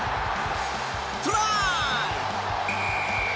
トライ！